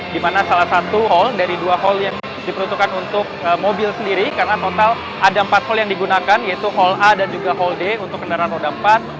di mana salah satu hal dari dua hal yang diperuntukkan untuk mobil sendiri karena total ada empat hal yang digunakan yaitu hall a dan juga hall d untuk kendaraan roda empat